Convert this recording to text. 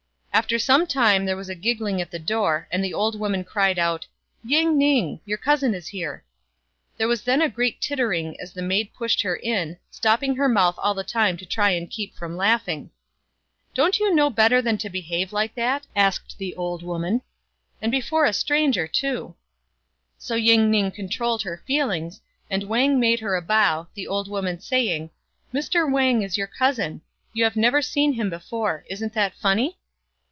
After some time there was a giggling at the door, and the old woman cried out, " Ying ning ! your cousin is here." There was then a great tittering as the maid pushed her in, stopping her mouth all the time to try and keep from laughing. " Don't you know better than to behave like that ?" asked the old woman, " and before a stranger, too." So Ying ning controlled her feelings, and Wang made her a bow, the old woman saying, " Mr. Wang is your cousin : you have never seen him before. Isn't that funny